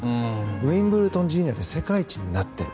ウィンブルドンジュニアで世界一になっている。